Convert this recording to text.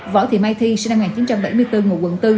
võ thị mai thi sinh năm một nghìn chín trăm bảy mươi bốn ngụ quận bốn